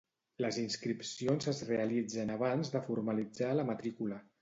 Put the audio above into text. Les inscripcions es realitzen abans de formalitzar la matrícula.